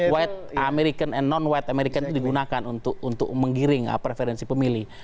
white american and non wide american itu digunakan untuk menggiring preferensi pemilih